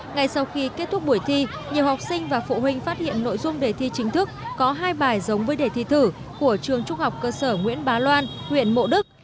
ngay sau khi kết thúc buổi thi nhiều học sinh và phụ huynh phát hiện nội dung đề thi chính thức có hai bài giống với đề thi thử của trường trung học cơ sở nguyễn bá loan huyện mộ đức